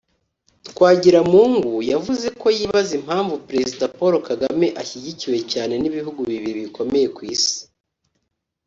Twagiramungu yavuze ko yibaza impamvu Perezida Paul Kagame ashyigikiwe cyane n’ibihugu bibiri bikomeye ku isi